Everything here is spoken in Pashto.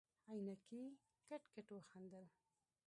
عينکي کټ کټ وخندل.